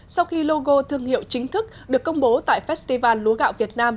sau khi logo thương hiệu chính thức được công bố tại festival lúa gạo việt nam